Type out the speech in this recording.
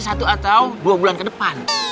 satu atau dua bulan ke depan